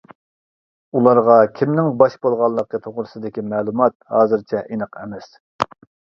ئۇلارغا كىمنىڭ باش بولغانلىقى توغرىسىدىكى مەلۇمات ھازىرچە ئېنىق ئەمەس.